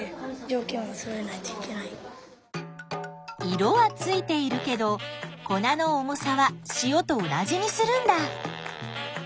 色はついているけど粉の重さは塩と同じにするんだ。